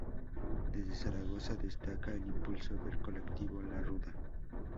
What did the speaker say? Desde Zaragoza destaca el impulso del colectivo La Ruda.